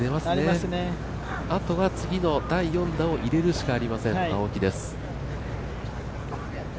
あとは次の第４打を入れるしかありません青木です。